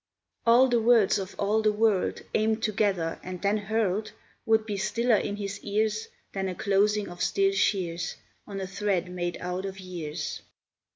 All the words of all the world, Aimed together and then hurled, Would be stiller in his ears Than a closing of still shears On a thread made out of years.